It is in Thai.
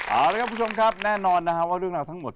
เอาละครับคุณผู้ชมครับแน่นอนนะครับว่าเรื่องราวทั้งหมด